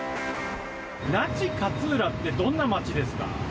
那智勝浦ってどんな町ですか？